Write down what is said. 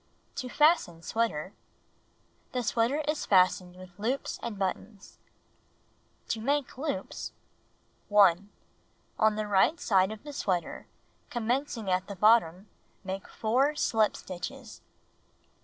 To Fasten Sweater The sweater is fastened with loops and buttons. To Make Loops 1. On the right hand side of the sweater, commencing at the Chlin stitch bottom, make 4 slip stitches.